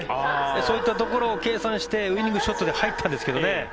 そういったところを計算してウィニングショットで入ったんですけどね。